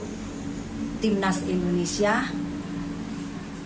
mengembangkan timnas yang terbaik